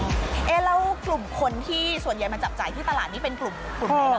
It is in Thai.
แล้วกลุ่มคนที่ส่วนใหญ่มาจับจ่ายที่ตลาดนี้เป็นกลุ่มไหนหรอ